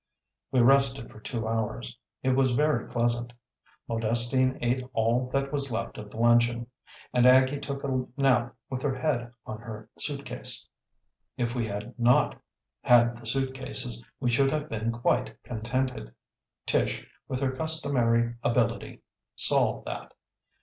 We rested for two hours; it was very pleasant. Modestine ate all that was left of the luncheon, and Aggie took a nap with her head on her suitcase. If we had not had the suitcases we should have been quite contented. Tish, with her customary ability, solved that.